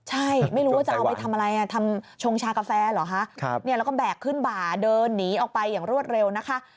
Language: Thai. ใช่ไม่รู้ว่าจะเอาไปทำอะไรทำชงชากาแฟเหรอคะแล้วก็แบกขึ้นบ่าเดินหนีออกไปอย่างรวดเร็วนะคะ